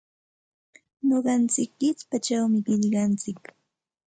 Nuqantsik qichpachawmi qillqantsik.